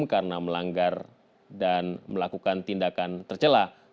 karena melanggar dan melakukan tindakan tercelah